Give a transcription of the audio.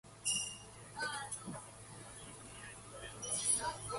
The player with the most points is the winner.